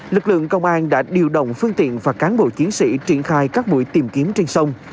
lực lượng công an đã điều động phương tiện và cán bộ chiến sĩ triển khai các buổi tìm kiếm trên sông